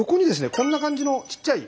こんな感じのちっちゃい。